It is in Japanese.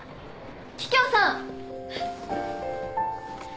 桔梗さん！